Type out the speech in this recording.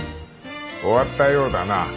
終わったようだな。